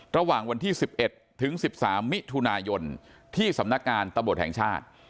ระหว่างวันที่๑๑ถึง๑๓มิถุนายนที่สำนักงานตำรวจแห่งชาติ